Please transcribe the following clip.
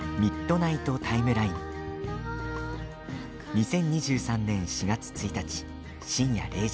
２０２３年４月１日、深夜０時。